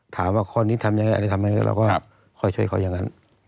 ถามว่าข้อนี้ทำยังไงเราก็เอาเขาอย่างนั้น